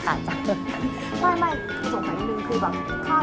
ไม่สงสัยที่นึงคือแบบข้างนึง